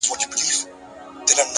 فکرونه د برخلیک تخمونه دي.